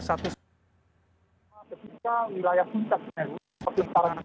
ketika wilayah puncak meneru